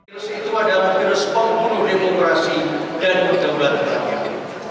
virus itu adalah virus ongkong demokrasi dan kedaulatan rakyat